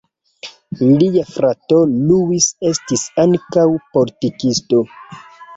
Lia frato Luis estis ankaŭ politikisto.